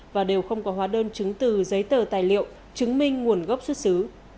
và đều không có hóa đơn chứng từ giấy tờ tài liệu chứng minh nguồn gốc xuất xứ